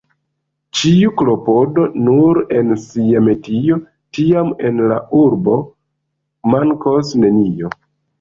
Ĉiu klopodu nur en sia metio, tiam al la urbo mankos nenio.